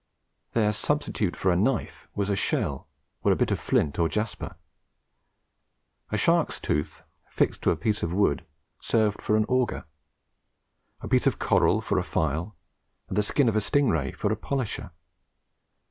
Their substitute for a knife was a shell, or a bit of flint or jasper. A shark's tooth, fixed to a piece of wood, served for an auger; a piece of coral for a file; and the skin of a sting ray for a polisher.